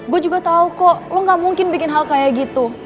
gue juga tau kok lo gak mungkin bikin hal kayak gitu